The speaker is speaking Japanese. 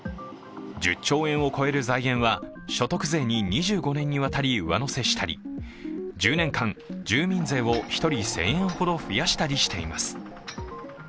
１０兆円を超える財源は、所得税に２５年にわたり上乗せしたり、１０年間、住民税を１人１０００円ほど増やしたりしています。